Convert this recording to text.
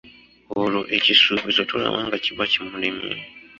Olwo ekisuubizo tolaba nga kiba kimulemye ?